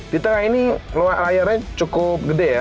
di tengah ini luas layarnya cukup gede ya